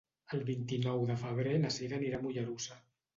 El vint-i-nou de febrer na Cira anirà a Mollerussa.